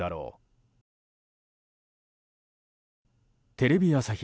テレビ朝日